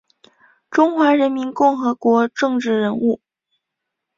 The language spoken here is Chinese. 中华人民共和国政治人物。